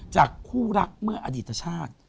จากคู่รักเมื่ออดีตชาติ